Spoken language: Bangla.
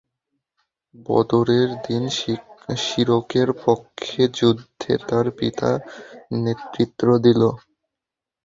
বদরের দিন শিরকের পক্ষে যুদ্ধে তাঁর পিতা নেতৃত্ব দিল।